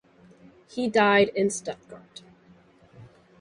He died in Stuttgart.